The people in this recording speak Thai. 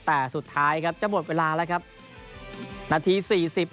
แต่สุดท้ายครับจะหมดเวลาแล้วครับนาทีสี่สิบ